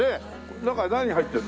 中に何入ってるの？